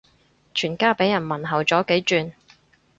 全家俾人問候咗幾轉